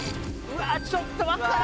うわっちょっと待った。